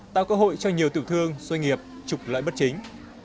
tạo cơ hội cho nhiều tự thương xôi nghiệp trục lợi bất chính